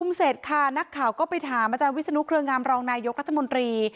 เสร็จค่ะนักข่าวก็ไปถามอาจารย์วิศนุเครืองามรองนายกรัฐมนตรี